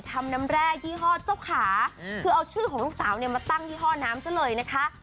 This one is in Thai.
ทำน้ำแร่ยี่ห้อเจ้าขาคือเอาชื่อของลูกสาวเนี่ยมาตั้งยี่ห้อน้ำซะเลยนะคะ